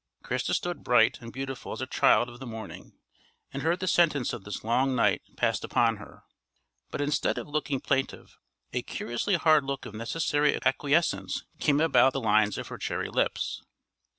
Christa stood bright and beautiful as a child of the morning, and heard the sentence of this long night passed upon her; but instead of looking plaintive, a curiously hard look of necessary acquiescence came about the lines of her cherry lips.